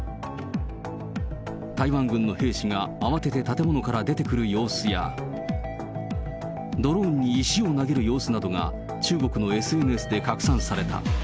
台湾軍の兵士が慌てて建物から出てくる様子や、ドローンに石を投げる様子などが、中国のＳＮＳで拡散された。